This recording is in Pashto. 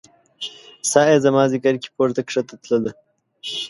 ساه يې زما ځیګر کې پورته کښته تلله